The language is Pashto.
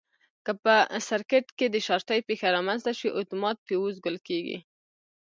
که په سرکټ کې د شارټي پېښه رامنځته شي اتومات فیوز ګل کېږي.